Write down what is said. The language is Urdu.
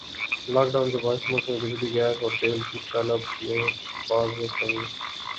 لاک ڈان کے باعث ملک میں بجلی گیس اور تیل کی طلب میں واضح کمی